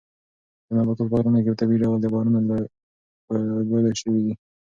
دا نباتات په غرونو کې په طبیعي ډول د باران په اوبو لوی شوي.